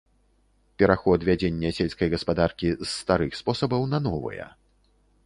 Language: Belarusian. Пераход вядзення сельскай гаспадаркі з старых спосабаў на новыя.